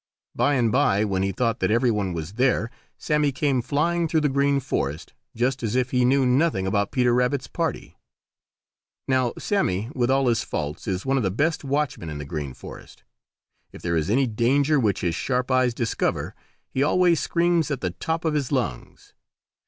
By and by, when he thought that every one was there, Sammy came flying through the Green Forest, just as if he knew nothing about Peter Rabbit's party. Now, Sammy, with all his faults, is one of the best watchmen in the Green Forest. If there is any danger which his sharp eyes discover, he always screams at the top of his lungs.